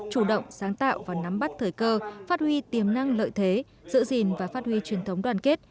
chủ động sáng tạo và nắm bắt thời cơ phát huy tiềm năng lợi thế giữ gìn và phát huy truyền thống đoàn kết